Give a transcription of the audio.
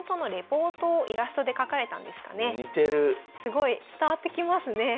すごい伝わってきますね。